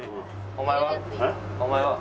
お前は？